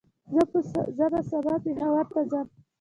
زه به سبا پېښور ته ځم